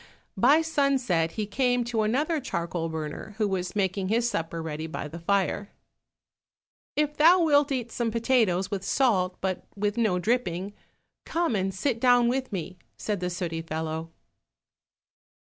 By sunset he came to another charcoal burner, who was making his supper ready by the fire. "If thou wilt eat some potatoes with salt, but with no dripping, come and sit down with me," said the sooty fellow.